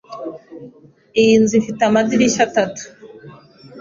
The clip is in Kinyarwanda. Iyi nzu ifite amadirishya atatu.